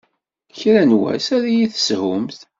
Kra n wass ad iyi-teshumt.